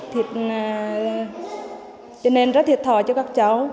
thì nên rất thiệt thòi cho các cháu